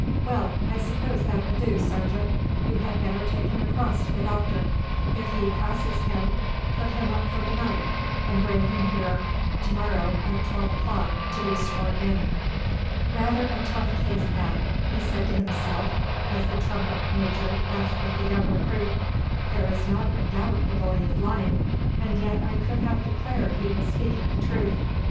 "Well, I suppose that will do, sergeant. You had better take him across to the doctor. If he passes him put him up for the night, and bring him here to morrow at twelve o'clock to be sworn in." "Rather a tough case that," he said to himself as the trumpet major left with the young recruit. "There is not a doubt the boy is lying, and yet I could have declared he was speaking the truth.